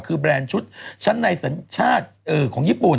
คือแบรนด์ชุดชั้นในสัญชาติของญี่ปุ่น